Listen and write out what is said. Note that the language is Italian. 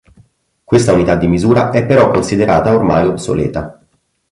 Questa unità di misura è però considerata ormai obsoleta.